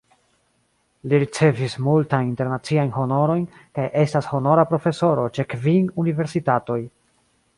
Li ricevis multajn internaciajn honorojn kaj estas honora profesoro ĉe kvin universitatoj.